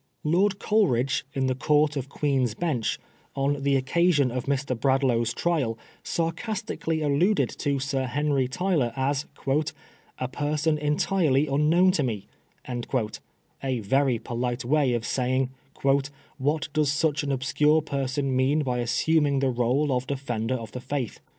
29 Lord Coleridge, in the Court of Queen's Bench, on the occasion of Mr. Bradlaugh's trial, sarcastically alluded to Sir Henry Tyler as " a person entirely un known to me "— a very polite way of saying, *' What does such an obscure person mean by assuming the r6le of Defender of the Faith